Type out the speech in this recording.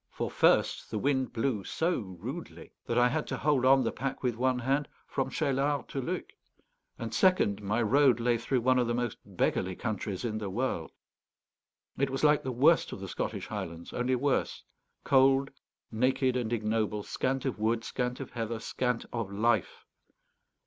For first, the wind blew so rudely that I had to hold on the pack with one hand from Cheylard to Luc; and second, my road lay through one of the most beggarly countries in the world. It was like the worst of the Scottish Highlands, only worse; cold, naked, and ignoble, scant of wood, scant of heather, scant of life.